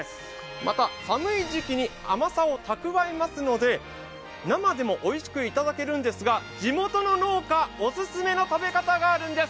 また寒い時期に甘さを蓄えますので、生でもおいしくいただけるんですが、地元の農家オススメの食べ方があるんです。